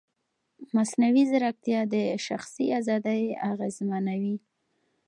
مصنوعي ځیرکتیا د شخصي ازادۍ اغېزمنوي.